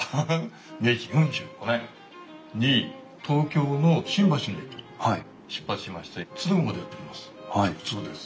明治４５年に東京の新橋の駅出発しまして敦賀までやって来ます。